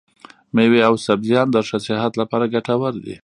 مېوې او سبزيان د ښه صحت لپاره ګټور دي.